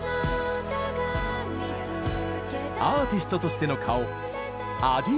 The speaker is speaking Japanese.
アーティストとしての顔ａｄｉｅｕ。